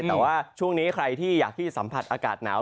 แต่ว่าช่วงนี้ใครที่อยากที่สัมผัสอากาศหนาว